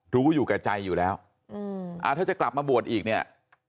รู้อยู่แก่ใจอยู่แล้วถ้าจะกลับมาบวชอีกเนี่ย